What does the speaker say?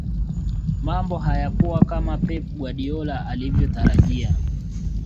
mambo hayakuwa kama pep guardiola alivyotarajia